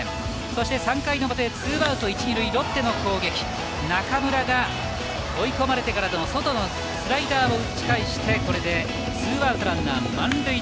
そして３回の表ツーアウト一塁にロッテの攻撃中村が追い込まれてからの外のスライダーを打ち返してツーアウトランナー満塁。